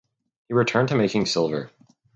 He returned to making silver.